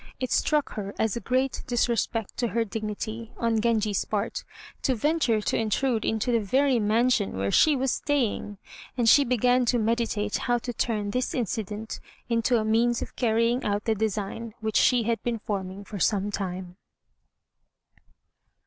It struck her as a great disrespect to her dignity, on Genji's part, to venture to intrude into the very mansion where she was staying. And she began to meditate how to turn this incident into a means of carrying out the design which she had been forming for some time.